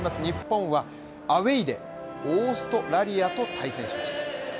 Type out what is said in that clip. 日本はアウェーでオーストラリアと対戦しました。